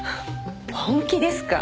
本気ですか？